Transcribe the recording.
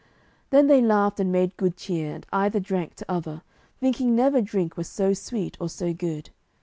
Then they laughed and made good cheer, and either drank to other, thinking never drink was so sweet or so good.